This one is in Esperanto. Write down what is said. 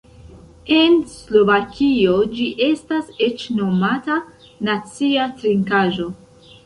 En Slovakio ĝi estas eĉ nomata "nacia trinkaĵo".